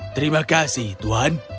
terima kasih tuhan